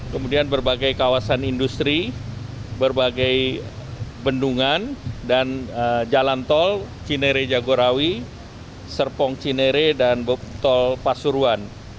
kemudian berbagai kawasan industri berbagai bendungan dan jalan tol cinere jagorawi serpong cinere dan tol pasuruan